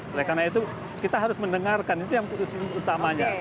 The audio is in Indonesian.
oleh karena itu kita harus mendengarkan itu yang putus utamanya